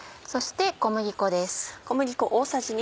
そして小麦粉です。